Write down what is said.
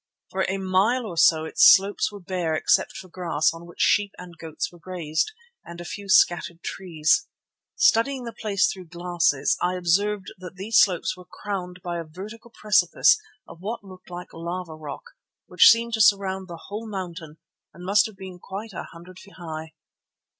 For a mile or so its slopes were bare except for grass on which sheep and goats were grazed, and a few scattered trees. Studying the place through glasses I observed that these slopes were crowned by a vertical precipice of what looked like lava rock, which seemed to surround the whole mountain and must have been quite a hundred feet high.